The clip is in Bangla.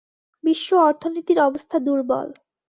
বিশ্ব অর্থনীতির অবস্থা দুর্বল।